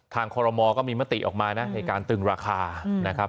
คอรมอก็มีมติออกมานะในการตึงราคานะครับ